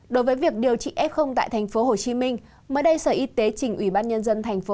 đối với việc điều trị f tại tp hcm mới đây sở y tế trình ubnd thành ủy